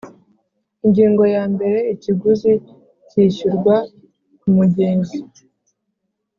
Ingingo ya mbere Ikiguzi cyishyurwa ku mugezi